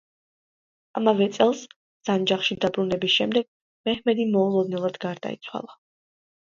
ამავე წელს, სანჯაყში დაბრუნების შემდეგ, მეჰმედი მოულოდნელად გარდაიცვალა.